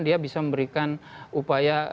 dia bisa memberikan upaya